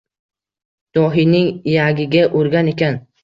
Dohiyning iyagiga urgan ekan.